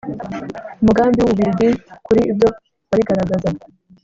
umugambi w u Bubirigi kuri ibyo warigaragazaga